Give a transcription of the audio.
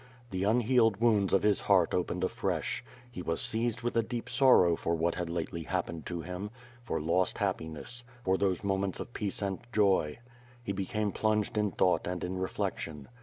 The unhealed wounds of his heart opened afresh. He was seized with a deep sorrow for what had lately happened to him; for lost happiness; for those moments of peace and joy. He became plunged in thought and in reflection.